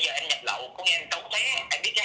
có nghĩa là bây giờ em nhập lậu có nghĩa là em đúng thế